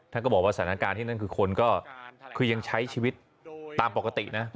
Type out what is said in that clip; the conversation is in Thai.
ก็บอกว่าสถานการณ์ที่นั่นคือคนก็คือยังใช้ชีวิตตามปกตินะ